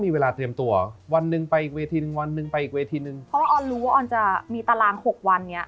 เพราะว่าออนรู้ว่าออนจะมีตาราง๖วันเนี่ย